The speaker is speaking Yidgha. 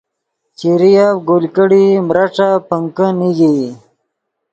چیریف گل کڑیئی میرݯف پنکے نیگئی